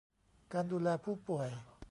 การดูแลผู้ป่วย